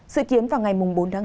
sự kiến vào ngày bốn tháng hai